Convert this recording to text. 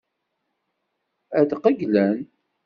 Ad qeyylen.